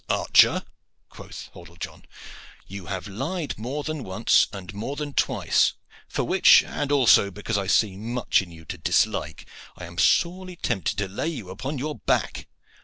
"Archer," quoth Hordle John, "you have lied more than once and more than twice; for which, and also because I see much in you to dislike, I am sorely tempted to lay you upon your back."